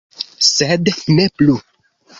Sed ne plu.